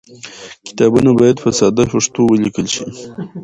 کتابونه باید په ساده پښتو ولیکل شي.